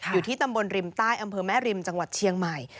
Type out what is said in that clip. อยู่ที่ตำบลริมใต้อำเภอแม่ริมจังหวัดเชียงใหม่